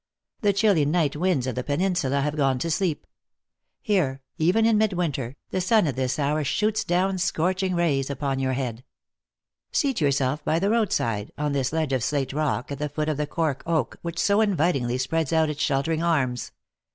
The chilly night winds of the peninsula have gone to sleep. Here, even in midwinter, the sun at this hour shoots down scorching rays upon your head. THE ACTRESS IN HIGH LIFE. 11 Seat yourself by the road side, on this ledge of slate rock, at the foot of the cork oak, which so invitingly spreads out its sheltering arms.